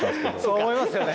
そう思いますよね